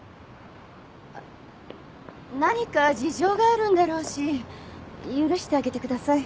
何か事情があるんだろうし許してあげてください。